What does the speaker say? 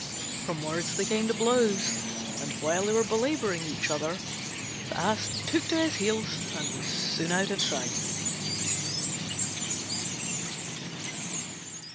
From words they came to blows; and while they were belabouring each other the Ass took to his heels and was soon out of sight.